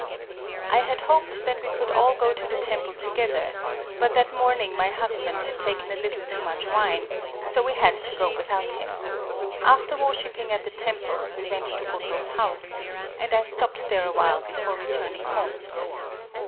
I had hoped that we could all go to the temple together ; but that morning my husband had taken a little too much wine, — so we had to go without him. After worshipping at the temple, we went to Goto's house ; and I stopped there awhile before returning home.